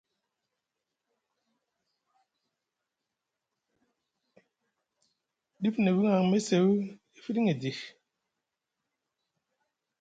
Dif nʼe wiŋ aŋ mesew e fiɗiŋ edi.